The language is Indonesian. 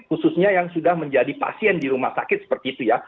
khususnya yang sudah menjadi pasien di rumah sakit seperti itu ya